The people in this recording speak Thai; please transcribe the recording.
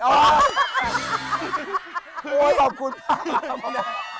โอ๊ยขอบคุณพันธุ